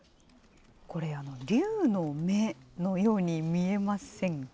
これ、竜の目のように見えませんか？